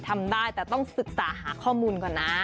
ทำได้แต่ต้องศึกษาหาข้อมูลก่อนนะ